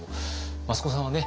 益子さんはね